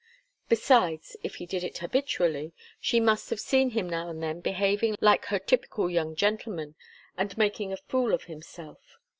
Besides, if he did it habitually, she must have seen him now and then behaving like her typical young gentleman, and making a fool of himself.